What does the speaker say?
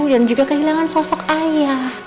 dan juga kehilangan sosok ayah